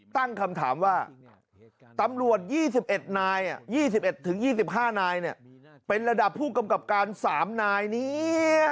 ตั้งคำถามว่าตำรวจ๒๑นาย๒๑๒๕นายเป็นระดับผู้กำกับการ๓นายนี้